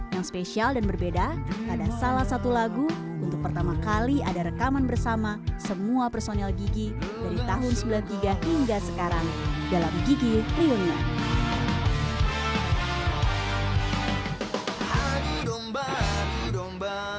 yang spesial dan berbeda pada salah satu lagu untuk pertama kali ada rekaman bersama semua personel gigi dari tahun seribu sembilan ratus sembilan puluh tiga hingga sekarang dalam gigi riunion